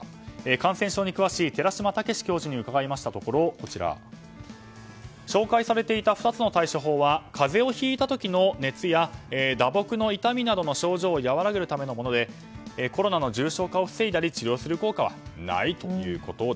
感染症に詳しい寺嶋毅教授に伺いましたところ紹介されていた２つの対処法は風邪をひいた時の熱や打撲の痛みなどの症状を和らげるためのものでコロナの重症化を防いだり治療する効果はないと。